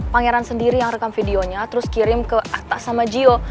pangeran sendiri yang rekam videonya terus kirim ke atas sama jio